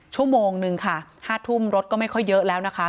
ชั่วโมงนึงค่ะ๕ทุ่มรถก็ไม่ค่อยเยอะแล้วนะคะ